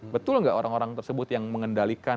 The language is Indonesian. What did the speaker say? betul nggak orang orang tersebut yang mengendalikan